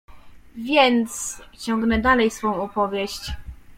"Więc, ciągnę dalej swą opowieść."